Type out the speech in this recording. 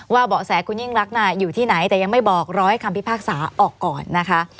เบาะแสคุณยิ่งรักอยู่ที่ไหนแต่ยังไม่บอกร้อยคำพิพากษาออกก่อนนะคะ